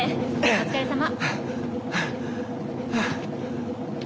お疲れさま。